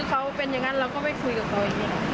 คือเขาเป็นอย่างนั้นเราก็ไม่คุยกับเขาอีกอย่าง